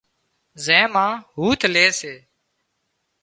زين مان هُوٿ لي سي